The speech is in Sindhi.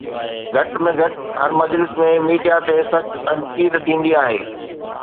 گهٽ ۾ گهٽ هر مجلس ۾ ميڊيا تي سخت تنقيد ٿيندي آهي.